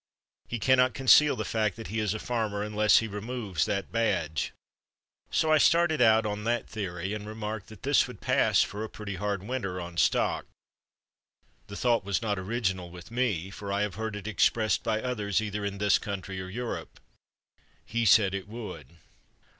He cannot conceal the fact that he is a farmer unless he removes that badge. So I started out on that theory and remarked that this would pass for a pretty hard winter on stock. The thought was not original with me, for I have heard it expressed by others either in this country or Europe. He said it would.